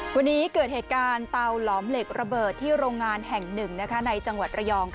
วันนี้เกิดเหตุการณ์เตาหลอมเหล็กระเบิดที่โรงงานแห่งหนึ่งในจังหวัดระยอง